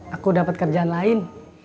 aku dapet kerjaan lain